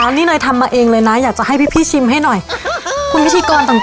อันนี้เนยทำมาเองเลยนะอยากจะให้พี่ชิมให้หน่อยคุณพิธีกรต่าง